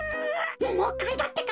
もういっかいだってか。